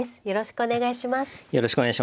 よろしくお願いします。